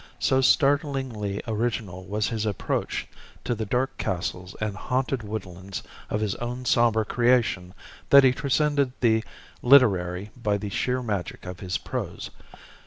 So startlingly original was his approach to the dark castles and haunted woodlands of his own somber creation that he transcended the literary by the sheer magic of his prose.